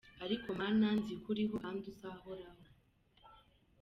Aliko Mana nziko uriho kandi uzahoraho